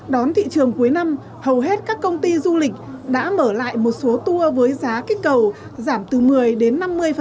đón thị trường cuối năm hầu hết các công ty du lịch đã mở lại một số tour với giá kích cầu giảm từ một mươi đến năm mươi